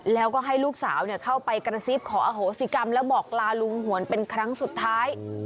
แล้วก็ให้ลูกสาวเข้าไปกระซิบขออโหสิกรรมแล้วบอกลาลุงหวนเป็นครั้งสุดท้าย